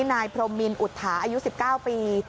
นายพรมมินอุทาอายุ๑๙ปี